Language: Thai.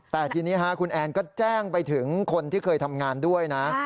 แต่ทีนี้คุณแอนก็แจ้งไปถึงคนที่เคยทำงานด้วยนะ